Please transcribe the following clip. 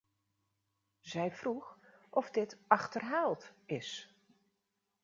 Zij vroeg of dit 'achterhaald? is.